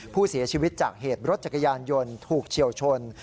ผู้เสียชีวิตจากเหตุรถจักรยานยนต์ถูกเฉียวชน